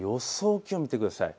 気温を見てください。